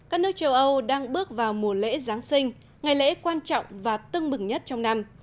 các nước châu âu đang bước vào mùa lễ giáng sinh ngày lễ quan trọng và tưng bừng nhất trong năm